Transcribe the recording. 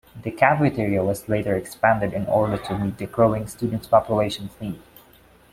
The cafeteria was later expanded in order to meet the growing student population's needs.